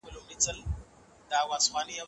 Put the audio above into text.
موږ د یوه روښانه راتلونکي په تمه یو.